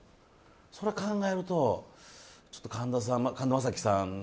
それを考えると神田正輝さん